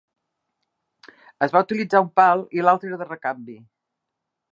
Es va utilitzar un pal i l'altre era de recanvi.